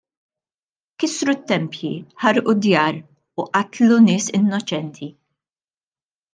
Kissru t-tempji, ħarqu d-djar u qatlu nies innoċenti.